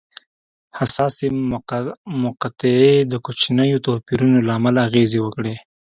حساسې مقطعې د کوچنیو توپیرونو له امله اغېزې وکړې.